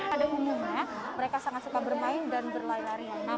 pada umumnya mereka sangat suka bermain dan berlarian